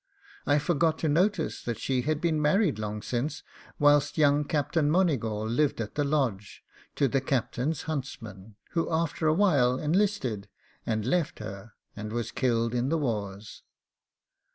I forgot to notice that she had been married long since, whilst young Captain Moneygawl lived at the Lodge, to the captain's huntsman, who after a whilst 'listed and left her, and was killed in the wars.